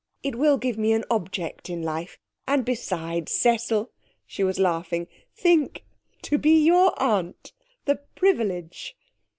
It will give me an object in life. And besides, Cecil,' she was laughing, 'think to be your aunt! The privilege!'